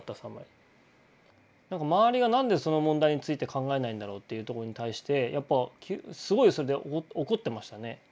周りが何でその問題について考えないんだろうっていうとこに対してやっぱすごいそれで怒ってましたね。